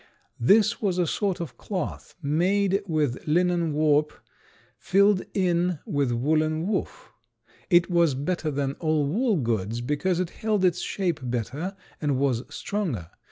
This was a sort of cloth made with linen warp filled in with woolen woof. It was better than all wool goods because it held its shape better and was stronger.